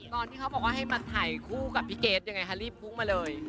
ตอนที่เขาบอกว่าให้มาถ่ายคู่กับพี่เกดยังไงคะรีบพุ่งมาเลย